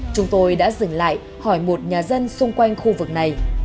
chúng tôi đã dừng lại hỏi một nhà dân xung quanh khu vực này